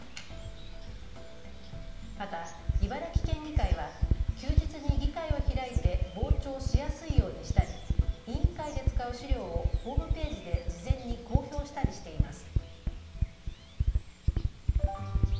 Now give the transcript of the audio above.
また茨城県議会は休日に議会を開いて傍聴しやすいようにしたり委員会で使う資料をホームページで事前に公表したりしています。